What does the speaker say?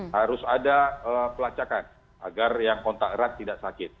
harus ada pelacakan agar yang kontak erat tidak sakit